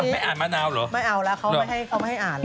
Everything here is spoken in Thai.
ไม่เอาค้นที่มูนายคืนนี้